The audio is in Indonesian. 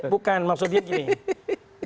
bukan maksudnya gini